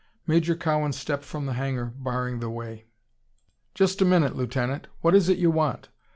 Major Cowan stepped from the hangar, barring the way. "Just a minute, Lieutenant! What is it you want?"